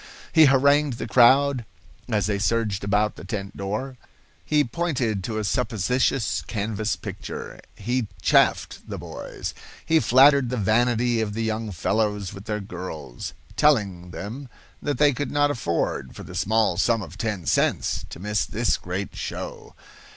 He harangued the crowd as they surged about the tent door. He pointed to a suppositious canvas picture. He "chaffed" the boys. He flattered the vanity of the young fellows with their girls, telling them that they could not afford, for the small sum of ten cents, to miss this great show.